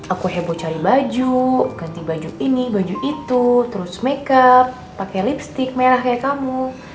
aku heboh cari baju ganti baju ini baju itu terus makeup pakai lipstick merah kayak kamu